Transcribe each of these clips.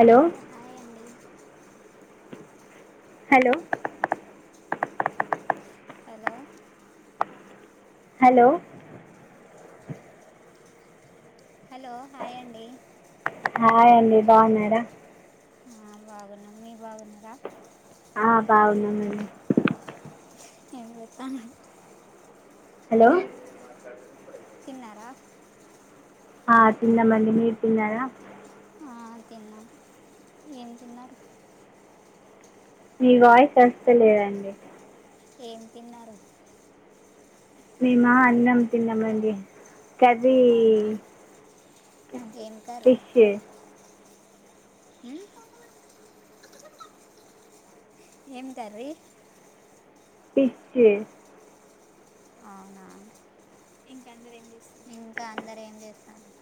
Hello hi అండి hello hello hello hello hi అండి హాయ్ండి బాగున్నారా ఆ బాగున్నామ్ మీ బాగున్నరా ఆ, బాగున్నామండి ఏం చేతను హలో తిన్నారా ఆ తిన్నమ్మండి మీరు తిన్నారా అ తిన్నాం ఏం తిన్నారు మీ వాయిస్ వస్త లేదండి ఏం తిన్నారు మేమ అన్నం తిన్నామండి కర్రీ అవునా ఏం కర్రీ ఫిష్ ఏం కర్రీ ఫిష్ అవునా ఇంక అందరూ ఇంక అందరు ఏం చేస్తతాన్రు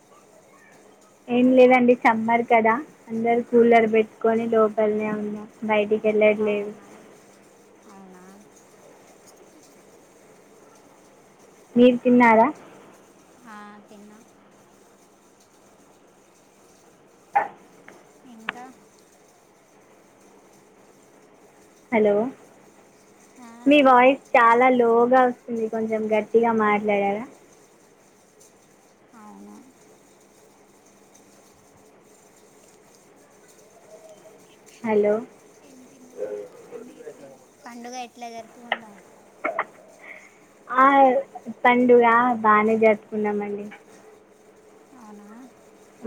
ఏం లేదండి సమ్మర్ కదా అందరు కూలర్ బెట్టుకొని లోపలనే ఉన్నాం బయటికి వెళ్ళట్లేదు అవునా అవునా మీరు తిన్నారా ఆ తిన్నా ఇంకా హలో ఆ, మీ హలో వాయిస్ చాలా లోగా స్తుంది కొంచెం గట్టిగా మాట్లాడర అవున హలో పండుగ ఎట్లా జరుపుకున్నారు ఆ పండుగ బానే జరుపుకున్నామండి అవునా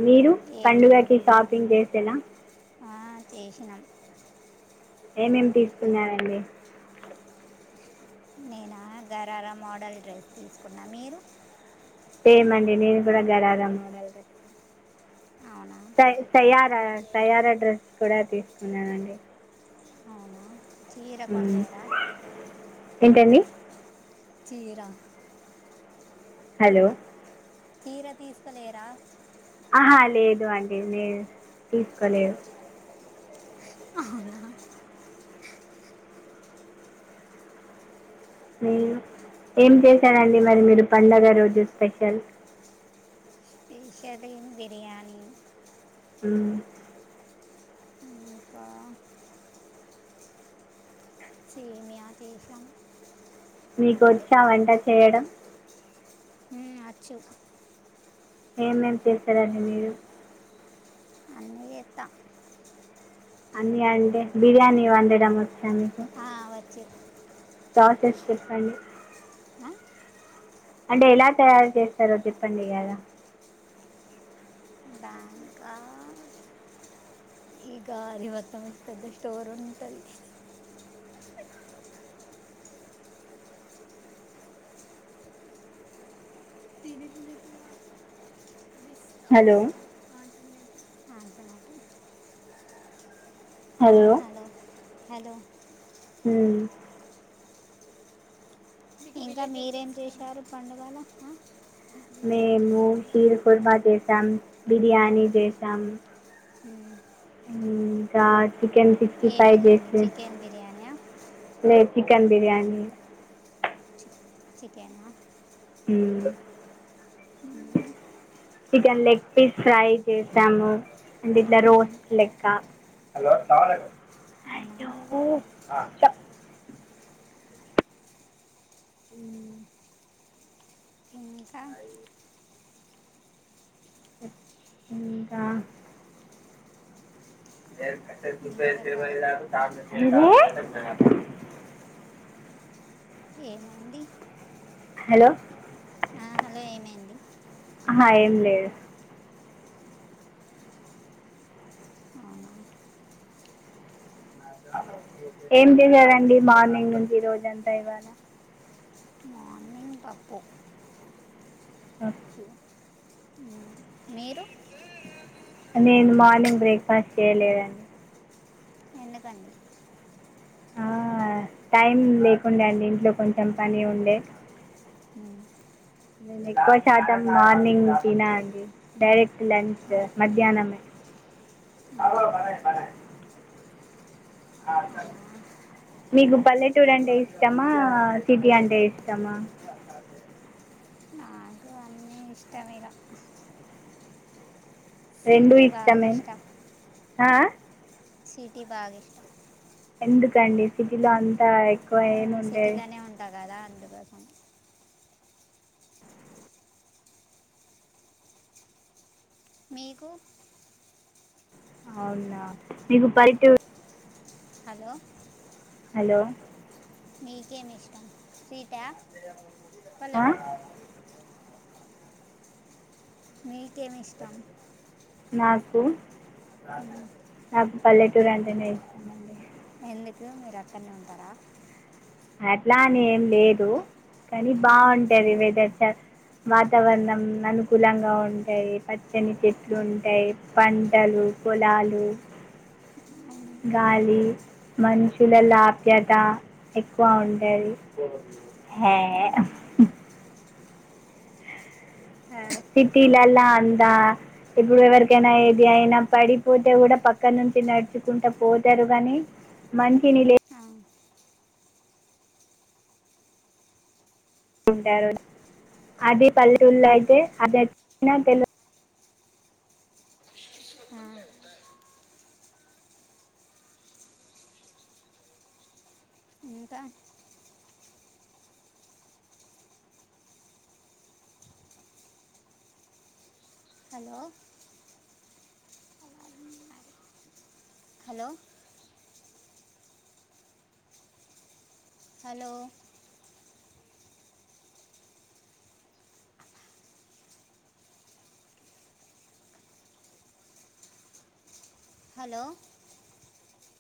మీరు ఏడ్ పండుగకి షాపింగ్ చేసేనా ఆ చేసినాం ఏమేమి తీసుకున్నారండి నేను గరారా మోడల్ డ్రెస్ తీసుకున్నా మీరు సేమ్ అండి నేను కూడా గరారా మోడల్ డ్రెస్ అవునా స సయారా సయారా డ్రెస్ కూడా తీసుకున్నానండి అవునా చీర మ్మ్. కొనలేద? ఏంటండి చీరా హలో చీర తీసుకోలేరా ఆహా లేదు అండి లేదు తీసుకోలేదు అవునా మీరు ఏం చేశారండి మరి మీరు పండగ రోజు స్పెషల్ చికెన్ బిర్యానీ మ్మ్ ఇంకా సేమ్యా చేసాం మీకు అంతే వచ్చా వంట చేయడం అచ్చు ఏమేం ఏం చేస్తారండి మీరు అన్నీ చేత్త అన్నీ అంటే బిర్యానీ వండడం వచ్చా మీకు చెప్ ప్రాసెస్ చెప్పండి అ అంటే ఎలా తయారు చేస్తారో చెప్పండి గదా బ్యాంకా ఇక అది మొత్తం పెద్ద స్టోర్ ఉంటుంది బీటువ హలో ఆ బనట హల్లో హలో మ్ ఇంకా మీరేం చేశారు పండుగల? మేము హీరు కుర్మా చేసాం. బిర్యానీ చేసామ్. మ్మ్. మ్ చాట్ చికెన్ సిక్స్టీ ఏ ఫైవ్ బిర్యానీ చేస. చికెన్ బిర్యానీయా లేద్ చికెన్ బిర్యానీ. చికెనా? మ్ మ్మ్. చికెన్ లెగ్ పీస్ ఫ్రై చేసాము. అండ్ ఇట్ల మ్మ్. రోస్ట్ లెక్క. అవునా అయ్యో చప్ మ్ ఇంకా? ఇంకా? ఇంకా చెప్పాలి ఏదీ అ ఏమైంది హలో ఆ హలో ఏమైంది? మ ఏం లేదు. అవునా! ఏం చేశారండి మార్నింగ్ నుంచి? ఈ రోజంతా ఇవాల మార్నింగ్ పప్పు. ఓకె మ్ మీరు? నేను మార్నింగ్ బ్రేక్ఫాస్ట్ చేయలేదండి. ఎందుకండి? ఆ టైం లేకుండ అండి. ఇంట్లో కొంచెం పని ఉండే. మ్ నేను ఎక్కువ శాతం మార్నింగ్ తిన అండి. డైరెక్ట్ లంచ్ మధ్యాహ్నమే. అ మ్మ్. ప పన అవునా మీకు పల్లెటూరు అంటే ఇష్టమా? సిటీ అంటే ఇష్టమా? అదే నాకు అన్నీ ఇష్టమె ఇగ రెండూ బాగా ఇష్టమే. ఇష్టం ఆ అ సిటీ బాగ ఇష్టం. ఎందుకండి, సిటీలో అంతా ఎక్ ఊన్ సిటీలోనే ఉంటా కద అందుకోసం. మీకు? అవునా మీకు బైటు హలో హలో మీకేమిష్టం సిట్ ఆ మీకేమ్ ఇష్టం? నాకు, మ్మ్. నాకు పల్లెటూరు అంటేనే ఇష్టమండి. ఎందుకు మీరక్కడనే ఉంటారా? అట్లా అనే ఏం లేదు కానీ మ్మ్. బాగుంటారు ఇవిదచ్చ వాతావరణం అనుకూలంగా ఉంటాయి పచ్చని చెట్లు ఉంటాయి పంటలు పలాలు అవును గాలి మనుషుల లాభ్యత ఎక్కువ ఉంటుంది అవును ఆ సిటీలలా అందా ఇప్పుడు ఎవరికైనా మ్మ్. ఏది అయినా పడిపోతే కూడా పక్క నుంచి నడుచుకుంటూ పోతారు గానీ మంచిషని లే ఆ, టారు అది పల్లెటూలో అవును అయితే అభ్యథ తె ఆ, ఇంకా హలో హలో హలో హలో